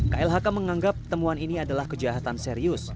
klhk menganggap temuan ini adalah kejahatan serius